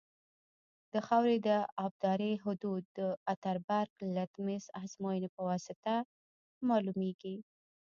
د خاورې د ابدارۍ حدود د اتربرګ لمتس ازموینې په واسطه معلومیږي